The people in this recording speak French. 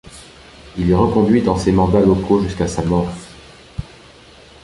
Il est reconduit dans ses mandats locaux jusqu'à sa mort.